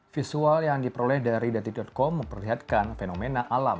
visual yang diperoleh dari detik com memperlihatkan fenomena alam